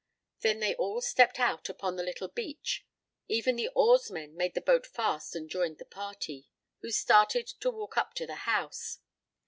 Then they all stepped out upon the little beach, even the oarsmen made the boat fast and joined the party, who started to walk up to the house.